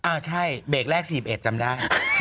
ใช่เบรกแรก๔๑จำได้